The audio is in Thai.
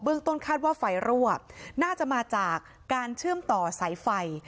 ต้นคาดว่าไฟรั่วน่าจะมาจากการเชื่อมต่อสายไฟ